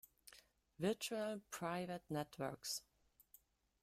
Virtual Private Networks.